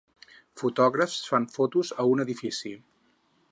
fotògrafs fan fotos en un edifici.